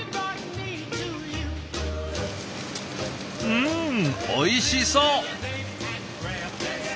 うんおいしそう！